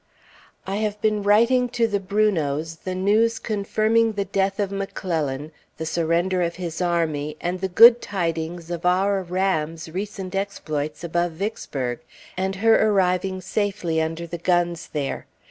I have been writing to the Brunots the news confirming the death of McClellan, the surrender of his army, and the good tidings of our Ram's recent exploits above Vicksburg, and her arriving safely under the guns there.